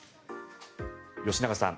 吉永さん